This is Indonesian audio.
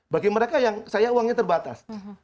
bagi mereka yang saya uangnya terbatas